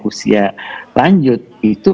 usia lanjut itu